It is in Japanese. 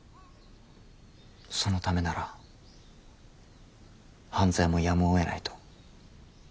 そのためなら犯罪もやむをえないと？